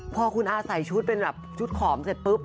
พอคุณอาใส่ชุดเป็นแบบชุดขอมเสร็จปุ๊บ